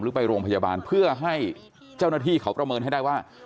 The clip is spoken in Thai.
ไปโรงพยาบาลเพื่อให้เจ้าหน้าที่เขาประเมินให้ได้ว่า